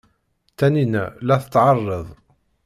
Taninna la tɛerreḍ.